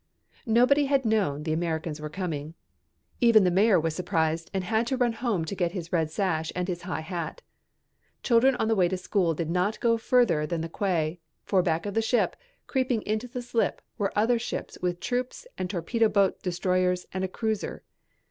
Nobody had known the Americans were coming. Even the mayor was surprised and had to run home to get his red sash and his high hat. Children on the way to school did not go further than the quay, for back of the ship, creeping into the slip, were other ships with troops and torpedo boat destroyers and a cruiser.